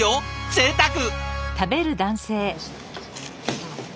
ぜいたく！